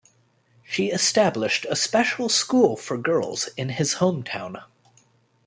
She established a special school for girls in his hometown.